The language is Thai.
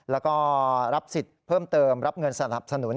แล้วก็รับสิทธิ์เพิ่มเติมรับเงินสนับสนุน